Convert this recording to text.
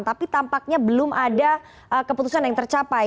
tapi tampaknya belum ada keputusan yang tercapai